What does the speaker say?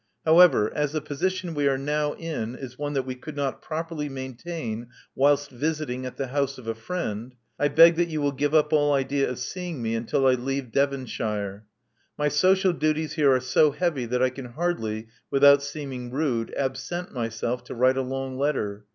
However, as the position we are now in is one that we could not properly maintain whilst visiting at the house of a friend, I beg that you will I^ove Among the Artists 313 give up all idea of seeing me until I leave Devonshire. My social duties here are so heavy that I can hardly, without seeming rude, absent myself to write a long letter.